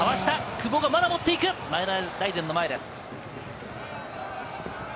久保がまだ持っていく、前田大然の前です。